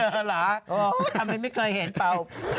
สลาทำไมไม่เคยเห็นเปล่า